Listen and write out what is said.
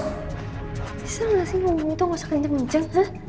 misalnya gak sih ngomong ngomong itu gak usah kencing kencing